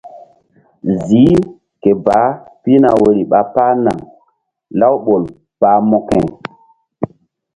Ziih ke baah pihna woyri ɓa páh naŋ lawɓol pah mokȩ.